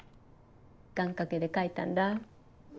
願掛けで書いたんだ。